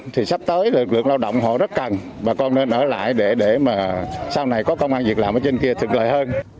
thì sắp tới lực lượng lao động họ rất cần bà con nên ở lại để mà sau này có công an việc làm ở trên kia thực lợi hơn